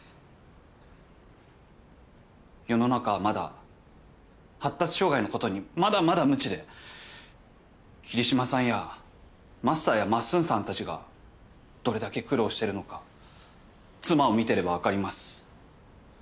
世の中はまだ発達障害のことにまだまだ無知で桐島さんやマスターやマッスンさんたちがどれだけ苦労してるのか妻を見てれば分かります。